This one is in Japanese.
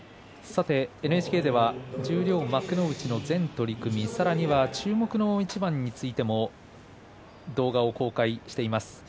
差すのがうまいですねとＮＨＫでは十両幕内の全取組さらには注目の一番についても動画を公開しています。